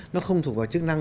nó không thuộc vào chức năng